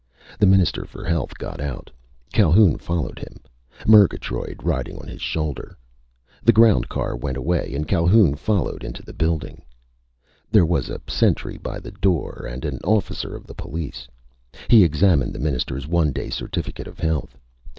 The Minister for Health got out. Calhoun followed him, Murgatroyd riding on his shoulder. The ground car went away and Calhoun followed into the building. There was a sentry by the door, and an officer of the police. He examined the Minister's one day certificate of health.